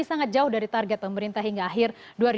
sangat jauh dari target pemerintah hingga akhir dua ribu dua puluh